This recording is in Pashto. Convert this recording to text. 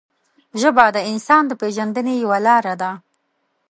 ژبه د انسان د پېژندنې یوه لاره ده